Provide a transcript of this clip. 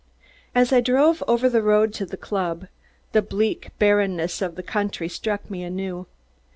As I drove over the road to the club, the bleak barrenness of the country struck me anew.